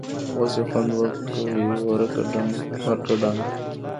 اوس یې خوند وکړ٬ ورکه ډنګ!